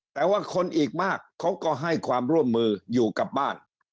แต่ว่าคนอีกมากเขาก็ให้ความร่วมมืออยู่กับบ้าน